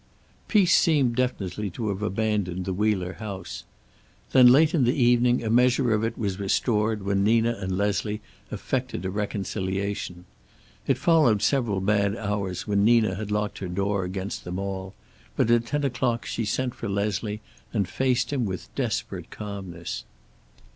Peace seemed definitely to have abandoned the Wheeler house. Then late in the evening a measure of it was restored when Nina and Leslie effected a reconciliation. It followed several bad hours when Nina had locked her door against them all, but at ten o'clock she sent for Leslie and faced him with desperate calmness.